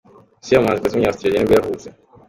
Sia, umuhanzikazi w’umunya-Australia nibwo yavutse.